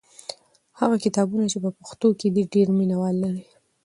هغه کتابونه چې په پښتو دي ډېر مینه وال لري.